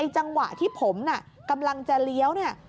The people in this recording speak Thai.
จังหวะที่ผมน่ะกำลังจะเลี้ยวเนี่ย